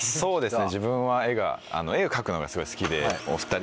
自分は絵を描くのがすごい好きで。